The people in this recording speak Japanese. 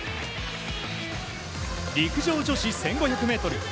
陸上女子１５００ｍ。